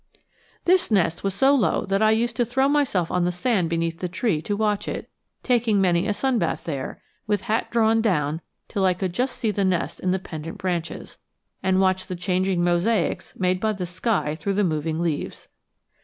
This nest was so low that I used to throw myself on the sand beneath the tree to watch it, taking many a sunbath there, with hat drawn down till I could just see the nest in the pendent branches, and watch the changing mosaics made by the sky through the moving leaves.